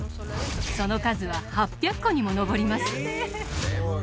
その数は８００個にも上ります